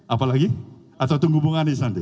apa lagi atau tunggu bung anies nanti